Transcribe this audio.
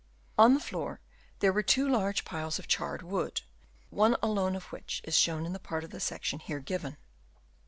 On the floor there were two large piles of charred wood, one alone of which is shown in the part of the section here given.